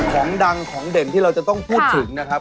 ของดังของเด่นที่เราจะต้องพูดถึงนะครับ